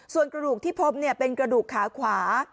ส่วนกระดูกที่พบเป็นกระดูกขาขวา